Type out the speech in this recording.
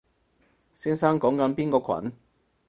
先生講緊邊個群？